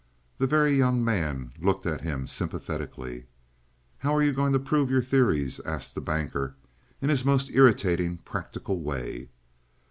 The Very Young Man looked at him sympathetically. "How are you going to prove your theories?" asked the Banker, in his most irritatingly practical way.